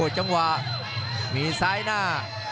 จังหวะมีซ้ายหน้า